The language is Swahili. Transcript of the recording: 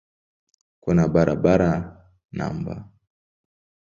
Kuna barabara no.